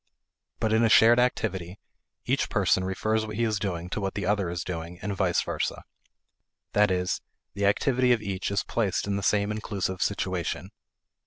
But in a shared activity, each person refers what he is doing to what the other is doing and vice versa. That is, the activity of each is placed in the same inclusive situation.